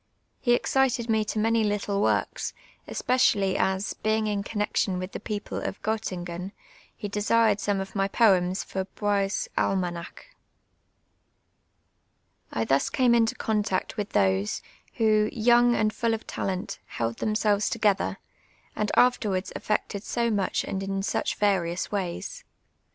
He excited me to many little works, especially as, being in connexion with the ])eoj)le of Gottingen, he desired some of my poems for lioie's Ahnanaclt. I thus came into contact with those, who, young and full of talent, held themselves together, and afterwards effected so much and in such various ways.